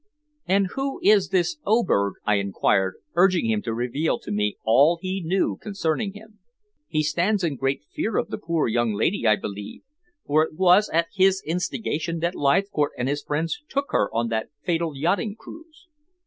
"And who is this Oberg?" I inquired, urging him to reveal to me all he knew concerning him. "He stands in great fear of the poor young lady, I believe, for it was at his instigation that Leithcourt and his friends took her on that fatal yachting cruise."